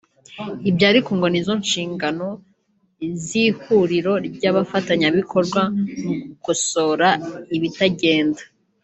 Ibyo ariko ngo nizo nshingano z’ihuriro ry’abafatanyabikorwa mu gukosora ibitagenda